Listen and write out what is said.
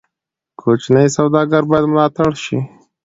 کوچني سوداګرۍ باید ملاتړ شي.